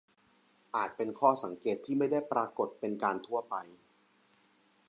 อาจเป็นข้อสังเกตที่ไม่ได้ปรากฏเป็นการทั่วไป